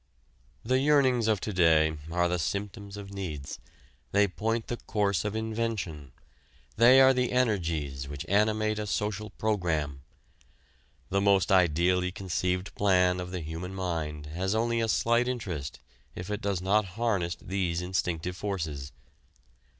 The yearnings of to day are the symptoms of needs, they point the course of invention, they are the energies which animate a social program. The most ideally conceived plan of the human mind has only a slight interest if it does not harness these instinctive forces.